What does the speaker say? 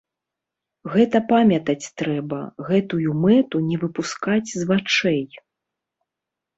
Гэта памятаць трэба, гэтую мэту не выпускаць з вачэй.